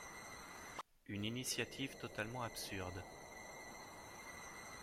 Une initiative totalement absurde.